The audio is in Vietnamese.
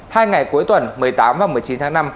hai ngày cuối tuần một mươi tám và một mươi chín tháng năm